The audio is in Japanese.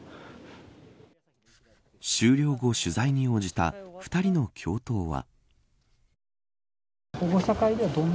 終了後取材に応じた２人の教頭は。